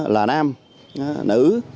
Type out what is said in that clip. là nam nữ